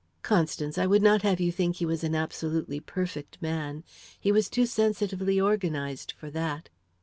"Constance, I would not have you think he was an absolutely perfect man. He was too sensitively organized for that.